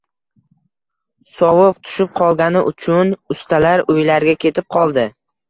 Sovuq tushib qolgani uchun ustalar uylariga ketib qoldi